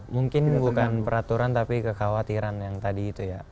mungkin bukan peraturan tapi kekhawatiran yang tadi itu ya